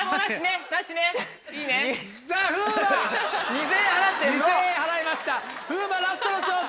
２０００円払いました風磨ラストの挑戦。